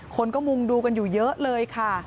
คนก็มุงดูกันอยู่เยอะเลยค่ะ